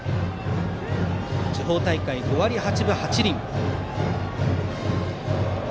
地方大会は５割８分８厘。